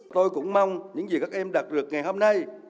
tôi cũng mong những gì các em đạt được ngày hôm nay